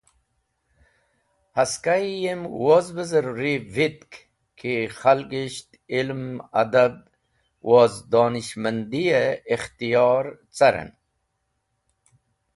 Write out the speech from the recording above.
Haska Yemi woz be zaruri witk ki Khalisht Ilm, Adab woz Donishmandiye Ikhtior caren.